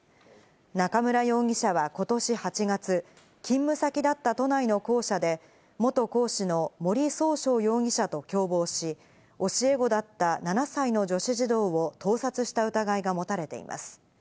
中村容疑者はことし８月、勤務先だった都内の校舎で、元講師の森崇翔容疑者と共謀し、教え子だった７歳の女子児童を盗撮した疑いが持たれています。